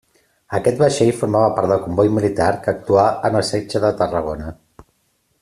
Aquest vaixell formava part del comboi militar que actuà en el setge de Tarragona.